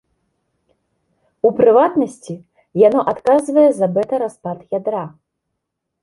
У прыватнасці, яно адказвае за бэта-распад ядра.